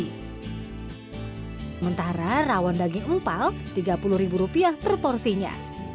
sementara rawon daging empal rp tiga puluh per porsinya